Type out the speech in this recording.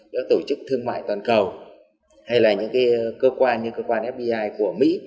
tổ chức thương mại toàn cầu hay là những cơ quan như cơ quan fbi của mỹ